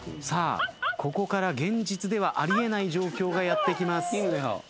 さあここから現実ではあり得ない状況がやって来ます。